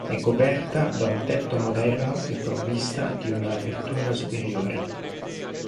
È coperta da un tetto moderno e provvista di una apertura superiore.